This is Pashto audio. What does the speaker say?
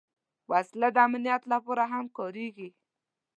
وسله د امنیت لپاره هم کارېږي